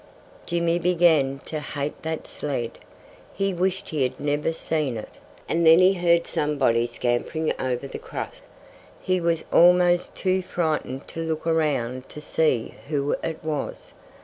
Jimmy began to hate that sled. He wished he had never seen it.... And then he heard somebody scampering over the crust. He was almost too frightened to look around to see who it was.